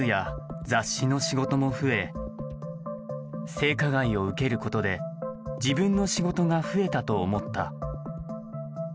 性加害を受けることで自分の仕事が増えたと思った。